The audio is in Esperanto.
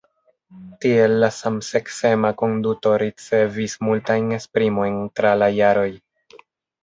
Tiel la samseksema konduto ricevis multajn esprimojn tra la jaroj.